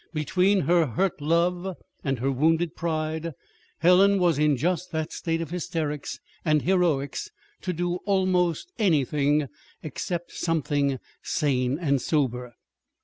Between her hurt love and her wounded pride, Helen was in just that state of hysterics and heroics to do almost anything except something sane and sober.